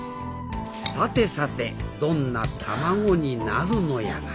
さてさてどんな卵になるのやら